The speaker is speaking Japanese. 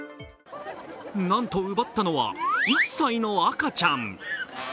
なんと、奪ったのは１歳の赤ちゃん。